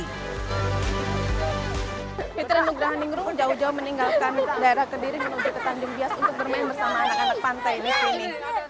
fitri nugrahmaningrum jauh jauh meninggalkan daerah kediri menuju ke tanding bias untuk bermain bersama anak anak pantai di sini